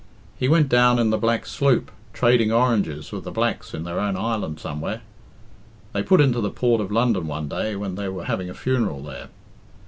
He went down in the Black Sloop, trading oranges with the blacks in their own island somewhere. They put into the port of London one day when they were having a funeral there.